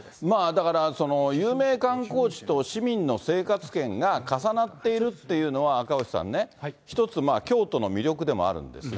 だから、有名観光地と市民の生活圏が重なっているというのはね、赤星さんね、一つまあ、京都の魅力でもあるんですが、